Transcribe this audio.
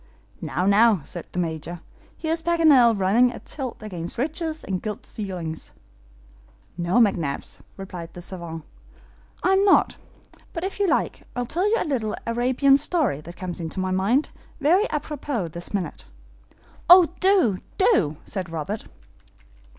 "Now, now," said the Major, "here is Paganel running a tilt against riches and gilt ceilings." "No, McNabbs," replied the SAVANT, "I'm not; but if you like, I'll tell you a little Arabian story that comes into my mind, very APROPOS this minute." "Oh, do, do," said Robert.